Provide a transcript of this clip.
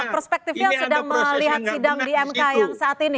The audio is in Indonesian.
perspektifnya sedang melihat sidang di mk yang saat ini